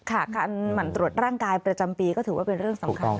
ค่ะการหมั่นตรวจร่างกายประจำปีก็ถือว่าเป็นเรื่องสำคัญ